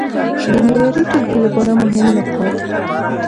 د معياري ټولګي لپاره مهم نقاط: